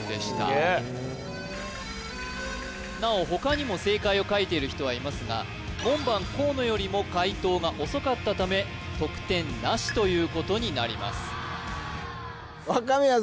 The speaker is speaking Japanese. すげえなお他にも正解を書いている人はいますが門番・河野よりも解答が遅かったため得点なしということになります若宮さん